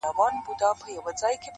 ځوان په لوړ ږغ~